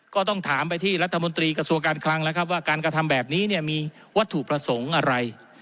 ก็ต้องถามไปที่รัฐมนตรีกระทรวงการคลังแล้วครับว่าการกระทำแบบนี้เนี่ยมีวัตถุประสงค์อะไร